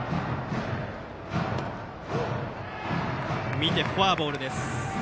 見て、フォアボールです。